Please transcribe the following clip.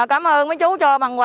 cảm ơn mấy chú cho bằng quà